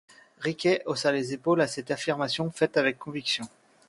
Riquet haussa les épaules à cette affirmation faite avec conviction.